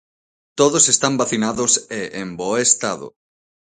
Todos están vacinados e en bo estado.